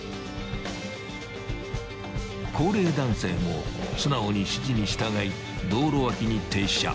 ［高齢男性も素直に指示に従い道路脇に停車］